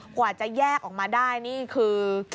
กว่าจะแยกออกมาได้นี่คือ